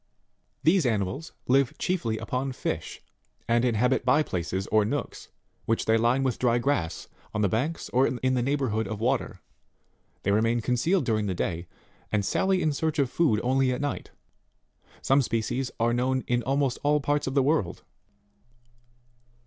These animals live chiefly upon fish, and in habit bye places, or nooks, which they line with dry grass, on the banks, or in the neighbourhood of water ; they remain concealed during the day, and sally in search of food only at night. Some species are known in almost all parts of the world.